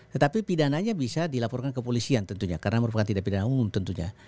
tetapi pidananya bisa dilaporkan ke polisian tentunya karena merupakan tindak pidana umum tentunya